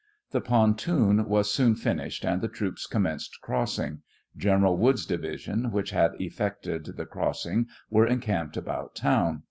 The pontoon was soon finished, and the troops com menced crossing. General Wood's division, which had effected the crossing, were encamped about town.